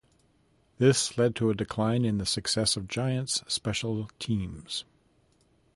This led to a decline in the success of Giants special teams.